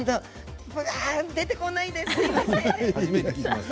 出てこないです。